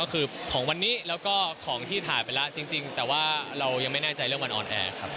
ก็คือของวันนี้แล้วก็ของที่ถ่ายไปแล้วจริงแต่ว่าเรายังไม่แน่ใจเรื่องวันออนแอร์ครับ